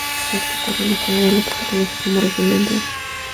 Esto ocurre más allá de lo que se conoce como región de entrada.